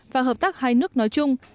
và hợp tác hai nước nói chung